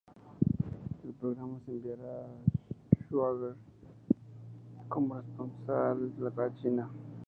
El programa enviará a Schwarzenegger como corresponsal a China.